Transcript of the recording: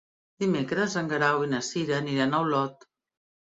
Dimecres en Guerau i na Cira aniran a Olot.